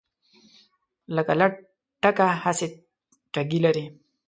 لکه لټکه هسې ټګي لري